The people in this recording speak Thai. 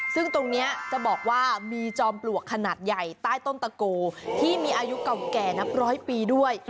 ซึ่งตรงนี้จะบอกว่ามีจอมปลวกขนาดใหญ่ใต้ต้นตะโกที่มีอายุเก่าแก่นับร้อยปีด้วย